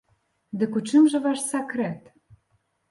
Дык у чым жа ваш сакрэт?